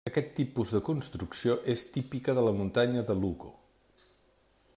Aquest tipus de construcció és típica de la muntanya de Lugo.